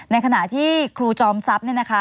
ในขณะที่ครูจอมซับ